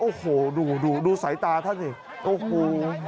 โอ้โหดูดูสายตาท่านสิโอ้โห